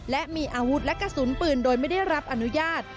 และมีอาวุธและกระสุนปืนโดยไม่ได้รับอนุญาต